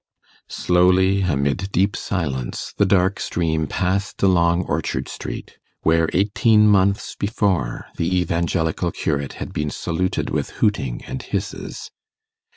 Slowly, amid deep silence, the dark stream passed along Orchard Street, where eighteen months before the Evangelical curate had been saluted with hooting and hisses.